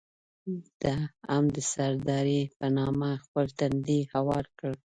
ده هم د سردارۍ په نامه خپل تندی هوار کړ.